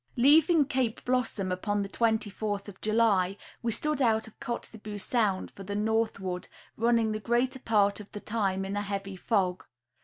Leaving Cape Blossom upon the 24th of July we stood out of Kotzebue sound for the northward, running the greater part of the time in a heavy fog.